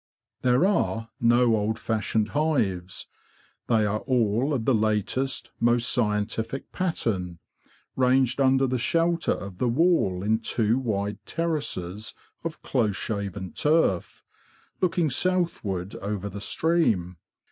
There are no old fashioned hives; they are all of the latest, most scientific pattern, ranged under the shelter of the wall in two wide terraces of close shaven turf, looking southward over the stream.